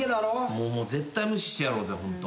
もう絶対無視してやろうぜホント。